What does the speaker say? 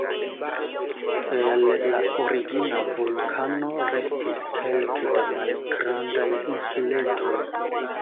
El la origina vulkano restis kelke da malgrandaj insuletoj.